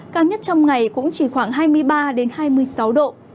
cao nhất trong ngày cũng chỉ khoảng hai mươi ba hai mươi sáu độ